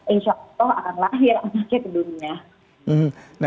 insya allah akan lahir anaknya ke dunia